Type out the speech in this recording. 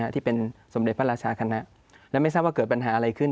ที่เป็นสมเด็จพระราชาคณะและไม่ทราบว่าเกิดปัญหาอะไรขึ้น